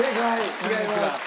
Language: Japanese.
違います。